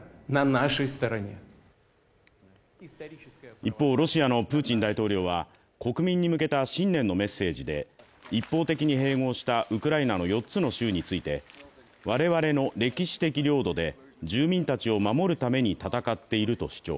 一方、ロシアのプーチン大統領は国民に向けた新年のメッセージで一方的に併合したウクライナの４つの州について我々の歴史的領土で住民たちを守るために戦っていると主張。